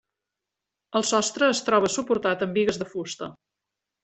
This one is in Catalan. El sostre es troba suportat amb bigues de fusta.